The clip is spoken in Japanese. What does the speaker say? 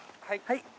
はい。